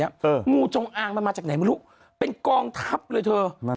งูจงอางมันมาจากไหนไม่รู้เป็นกองทัพเลยเธอ